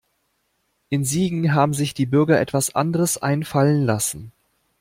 In Siegen haben sich die Bürger etwas anderes einfallen lassen.